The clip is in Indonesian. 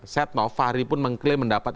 setnov fahri pun mengklaim mendapat